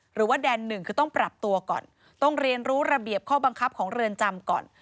หรือว่าแดนหนึ่งคือต้องปรับตัวก่อนต้องเรียนรู้ระเบียบข้อบังคับของเรือนจำก่อน